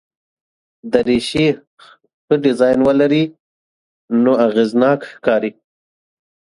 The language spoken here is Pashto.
دریشي ښه ډیزاین ولري نو اغېزناک ښکاري.